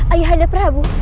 ayah ada prabu